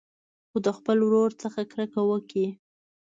خو د خپل ورور څخه کرکه وکړي.